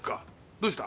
どうした？